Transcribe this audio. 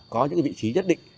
có những vị trí nhất định